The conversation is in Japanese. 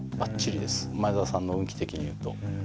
前澤さんの運気的に言うと。